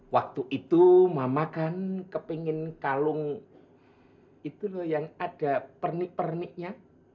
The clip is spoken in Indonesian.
waktu itu mama kan kepingin kalung itu loh yang ada pernik perniknya